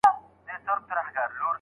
ښځه بايد د حيض ختمېدو سره څه وکړي؟